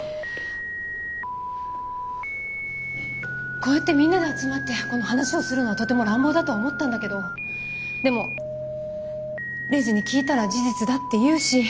こうやってみんなで集まってこの話をするのはとても乱暴だとは思ったんだけどでもレイジに聞いたら事実だって言うし。